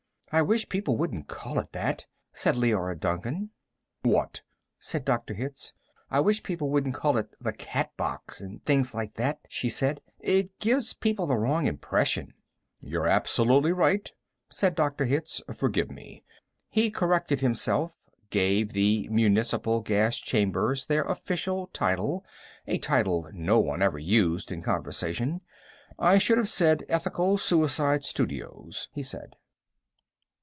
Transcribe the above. "I wish people wouldn't call it that," said Leora Duncan. "What?" said Dr. Hitz. "I wish people wouldn't call it 'the Catbox,' and things like that," she said. "It gives people the wrong impression." "You're absolutely right," said Dr. Hitz. "Forgive me." He corrected himself, gave the municipal gas chambers their official title, a title no one ever used in conversation. "I should have said, 'Ethical Suicide Studios,'" he said.